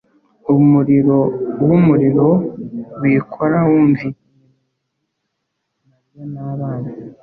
umuriro wumuriro wikora wumvikanye mwijuru. maria n'abana